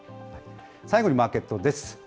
最後にマーケットです。